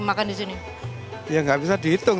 makan disini ya gak bisa dihitung